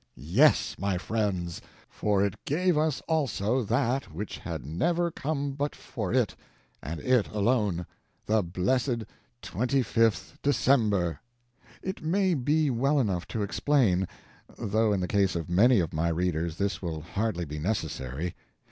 Yes, my friends, for it gave us also that which had never come but for it, and it alone the blessed 25th December. It may be well enough to explain, though in the case of many of my readers this will hardly be necessary.